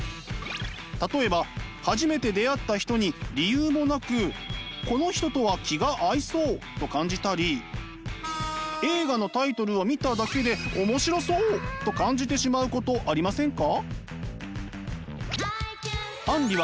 例えば初めて出会った人に理由もなくこの人とは気が合いそう！と感じたり映画のタイトルを見ただけで面白そう！と感じてしまうことありませんか？